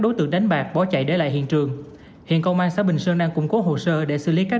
đối tượng đánh bạc bỏ chạy để lại hiện trường hiện công an xã bình sơn đang củng cố hồ sơ để xử lý các